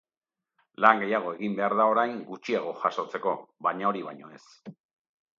Lan gehiago egin behar da orain gutxiago jasotzeko, baina hori baino ez.